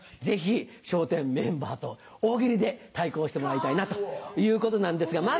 ぜひ笑点メンバーと大喜利で対抗してもらいたいなということなんですが。